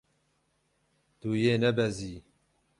Tu yê nebezî.